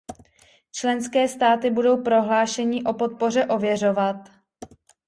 Členské státy budou prohlášení o podpoře ověřovat.